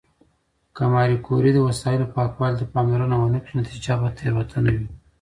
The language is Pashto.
که ماري کوري د وسایلو پاکوالي ته پاملرنه ونه کړي، نتیجه به تېروتنه وي.